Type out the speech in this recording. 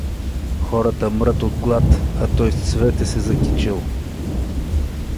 — Хората мрат от глад, а той с цвете се закичил.